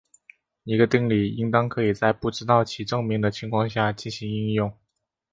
一个定理应当可以在不知道其证明的情况下进行应用。